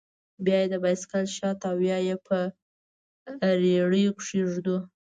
بيا يې د بايسېکل شاته او يا په رېړيو کښې ږدو.